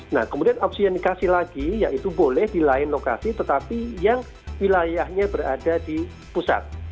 nah kemudian opsi yang dikasih lagi yaitu boleh di lain lokasi tetapi yang wilayahnya berada di pusat